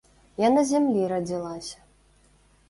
Я на зямлі радзілася.